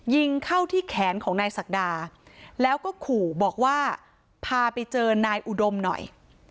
ยิงเข้าที่แขนของนายศักดาแล้วก็ขู่บอกว่าพาไปเจอนายอุดมหน่อย